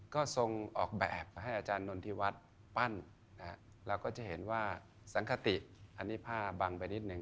ก็ทรงออกแบบให้อาจารย์นนทิวัฒน์ปั้นเราก็จะเห็นว่าสังคติอันนี้ผ้าบังไปนิดนึ